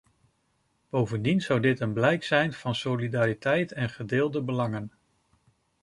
Bovendien zou dit een blijk zijn van solidariteit en gedeelde belangen.